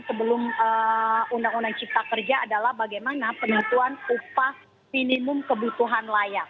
sebelum undang undang cipta kerja adalah bagaimana penentuan upah minimum kebutuhan layak